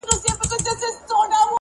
و ماته عجيبه دي توري د